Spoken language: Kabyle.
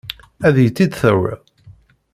Ad iyi-tt-id-tawiḍ?